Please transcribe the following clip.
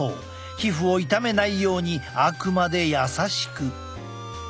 皮膚を傷めないようにあくまで優しく。